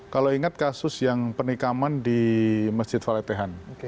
kalau ingat kasus yang penikaman di masjid fale tehan